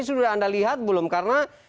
sudah anda lihat belum karena